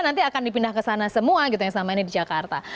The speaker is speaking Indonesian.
nanti akan dipindah ke sana semua gitu yang selama ini di jakarta